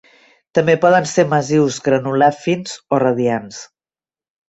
També poden ser massius, granular fins o radiants.